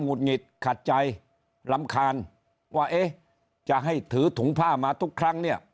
ุดหงิดขัดใจรำคาญว่าเอ๊ะจะให้ถือถุงผ้ามาทุกครั้งเนี่ย